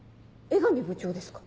江上部長ですか？